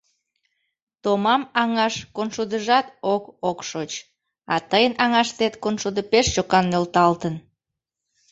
Томам аҥаш коншудыжат ок ок шоч, а тыйын аҥаштет коншудо пеш чокан нӧлталтын.